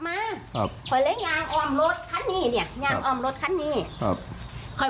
ไม่มาไปบ้านก็เห็นถึงนาย